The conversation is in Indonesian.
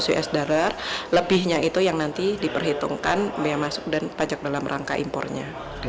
usd lebihnya itu yang nanti diperhitungkan biaya masuk dan pajak dalam rangka impornya